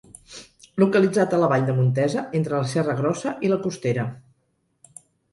Localitzat a la vall de Montesa, entre la Serra Grossa i la Costera.